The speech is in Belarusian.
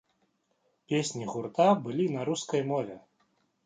Песні гурта былі на рускай мове.